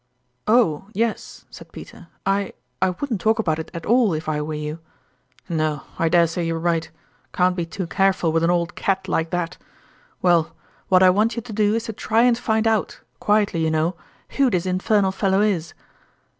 " Oh ! yes," said Peter. " I I wouldn't talk about it at all, if I were you." " No. I dare say you're right can't be too careful with an old cat like that. Well, what I want you to do is to try and find out quietly, you know who this infernal fellow is